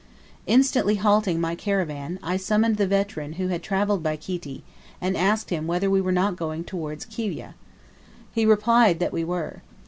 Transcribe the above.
Instantly halting my caravan, I summoned the veteran who had travelled by Kiti, and asked him whether we were not going towards Kiwyeh. He replied that we were.